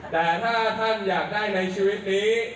แต่ถ้าท่านอยากได้ในชีวิตนี้